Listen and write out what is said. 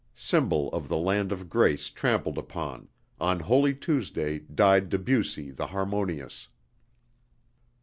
Symbol of the land of grace trampled upon, on Holy Tuesday died Debussy the harmonious.